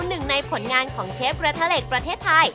หนึ่งในผลงานของเชฟกระทะเหล็กประเทศไทย